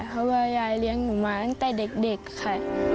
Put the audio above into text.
เพราะว่ายายเลี้ยงหนูมาตั้งแต่เด็กค่ะ